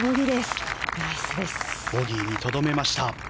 ボギーにとどめました。